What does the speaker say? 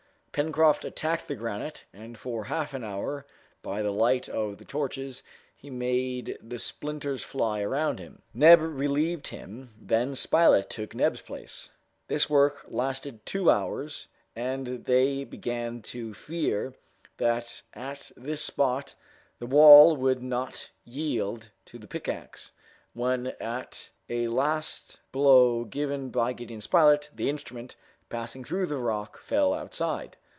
Pencroft attacked the granite, and for half an hour, by the light of the torches, he made the splinters fly around him. Neb relieved him, then Spilett took Neb's place. This work had lasted two hours, and they began to fear that at this spot the wall would not yield to the pickaxe, when at a last blow given by Gideon Spilett, the instrument, passing through the rock, fell outside.